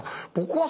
は